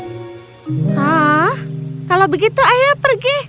hah kalau begitu ayah pergi